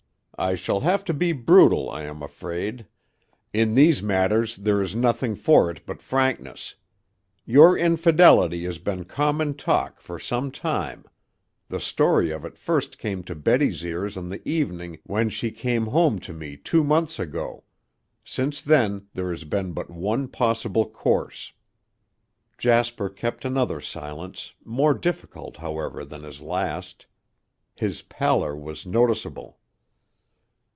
I shall have to be brutal, I am afraid. In these matters there is nothing for it but frankness. Your infidelity has been common talk for some time. The story of it first came to Betty's ears on the evening when she came to me two months ago. Since then there has been but one possible course." Jasper kept another silence, more difficult, however, than his last. His pallor was noticeable.